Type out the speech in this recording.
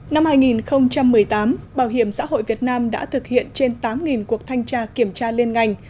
năm hai nghìn một mươi tám bảo hiểm xã hội việt nam đã thực hiện trên tám cuộc thanh tra kiểm tra liên ngành